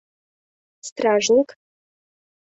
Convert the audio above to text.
Стражник.